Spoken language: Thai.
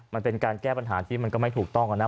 มันเป็นการแก้ปัญหาที่มันก็ไม่ถูกต้องอะนะ